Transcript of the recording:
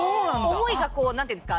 思いが何ていうんですか？